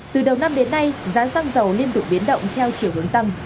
từ đầu năm đến nay giá xăng dầu liên tục biến động theo chiều hướng tăng